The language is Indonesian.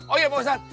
oh iya pausat